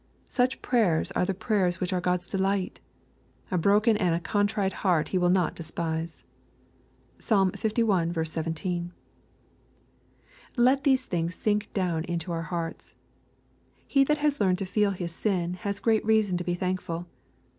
Such prayers are the prayers which are God's delight. A broken and a contrite heart He will not despise. (Psalm li. 17.) Let these things sink down into our hearts. He that has learned to feel his sins has great reason to be thank ful.